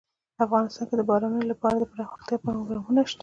افغانستان کې د بارانونو لپاره دپرمختیا پروګرامونه شته.